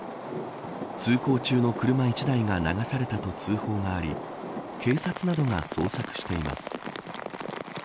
通行中の車１台が流されたと通報があり警察などが捜索しています。